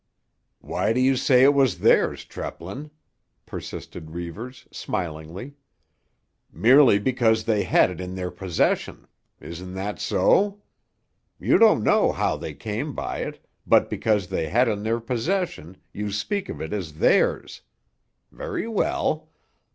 "Why do you say it was theirs, Treplin?" persisted Reivers smilingly. "Merely because they had it in their possession! Isn't that so? You don't know how they came by it, but because they had it in their possession you speak of it as theirs. Very well.